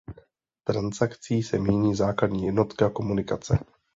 Transakcí se míní základní jednotka komunikace.